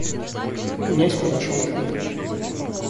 Князь подошёл к ней.